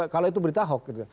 kalau itu berita hok